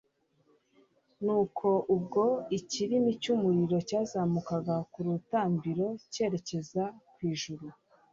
nuko, ubwo ikirimi cy'umuriro cyazamukaga ku rutambiro cyerekeza ku ijuru